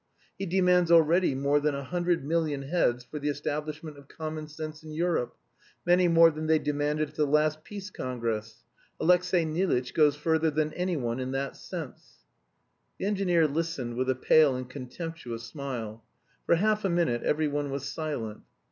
He demands already more than a hundred million heads for the establishment of common sense in Europe; many more than they demanded at the last Peace Congress. Alexey Nilitch goes further than anyone in that sense." The engineer listened with a pale and contemptuous smile. For half a minute every one was silent.